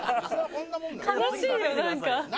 悲しいよなんか。